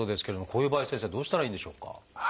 こういう場合は先生どうしたらいいんでしょうか？